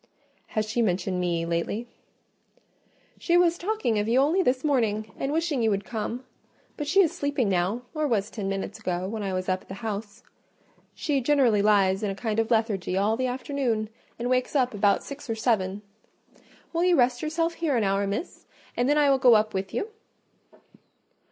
"Has she mentioned me lately?" "She was talking of you only this morning, and wishing you would come, but she is sleeping now, or was ten minutes ago, when I was up at the house. She generally lies in a kind of lethargy all the afternoon, and wakes up about six or seven. Will you rest yourself here an hour, Miss, and then I will go up with you?"